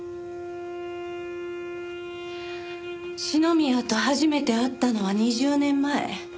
篠宮と初めて会ったのは２０年前。